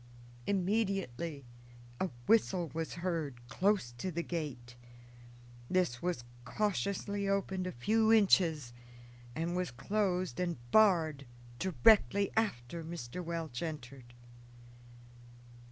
Immediately a whistle was heard close to the gate. This was cautiously opened a few inches, and was closed and barred directly Mr. Welch entered.